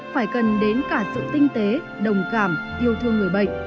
phải cần đến cả sự tinh tế đồng cảm yêu thương người bệnh